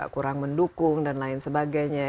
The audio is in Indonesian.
kurang mendukung dan lain sebagainya